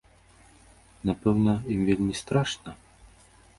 Напэўна, ім вельмі страшна?